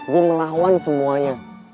gua melawan semuanya